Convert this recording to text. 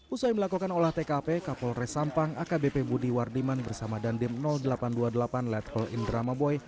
usai melakukan olah tkp kapolres sampang akbp budi wardiman bersama dandim delapan ratus dua puluh delapan letkol indrama boy